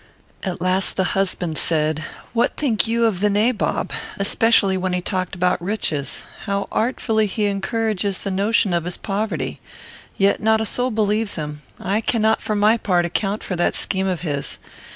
At last the husband said, "What think you of the nabob? Especially when he talked about riches? How artfully he encourages the notion of his poverty! Yet not a soul believes him. I cannot for my part account for that scheme of his.